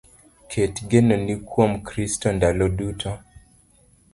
Ket genoni kuom Kristo ndalo duto